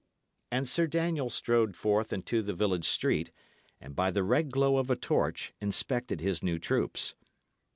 And Sir Daniel strode forth into the village street, and, by the red glow of a torch, inspected his new troops.